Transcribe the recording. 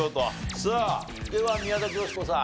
さあでは宮崎美子さん。